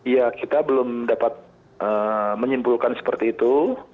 ya kita belum dapat menyimpulkan seperti itu